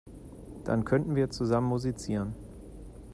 Dann könnten wir zusammen musizieren.